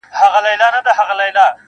• خوږېدی به یې له درده هر یو غړی -